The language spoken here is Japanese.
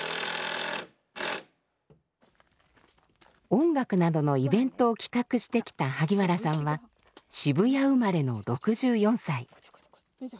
音楽などのイベントを企画してきた萩原さんは渋谷生まれの６４歳。